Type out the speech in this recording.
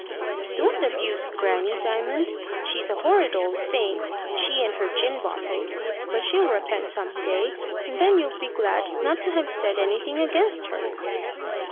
"Don't abuse Grannie, Diamond. She's a horrid old thing, she and her gin bottle; but she'll repent some day, and then you'll be glad not to have said anything against her."